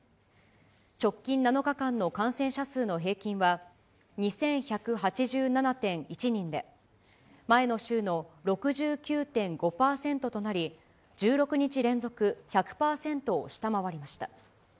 直近７日間の感染者数の平均は、２１８７．１人で、前の週の６９．５％となり、１６日連続１００％を下回りました。